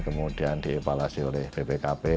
kemudian dievaluasi oleh bpkp